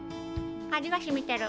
味がしみてる。